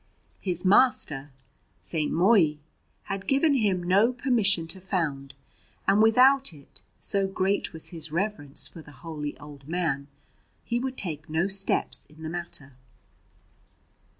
His master, St. Mobhi, had given him no permission to found; and without it, so great was his reverence for the holy old man, he would take no steps in the matter.